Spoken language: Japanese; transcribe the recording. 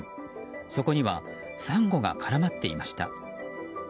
そこにはサンゴが絡まっていました。